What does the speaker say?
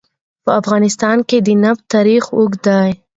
په افغانستان کې د نفت تاریخ اوږد دی.